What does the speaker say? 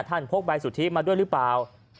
พกใบสุทธิมาด้วยหรือเปล่า